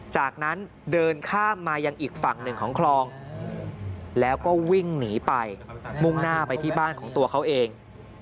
จากนั้นเดินข้ามมายังอีกฝั่งหนึ่งของคลองแล้วก็วิ่งหนีไปมุ่งหน้าไปที่บ้านของตัวเขาเอง